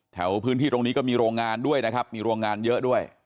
แถวพื้นที่ตรงนี้ก็มีโรงงานด้วยนะครับมีโรงงานเยอะด้วย